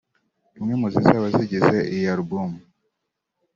imwe mu zizaba zigize iyi album ye